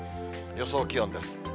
予想気温です。